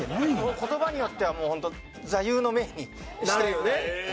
言葉によってはもうホント座右の銘にしたいぐらい。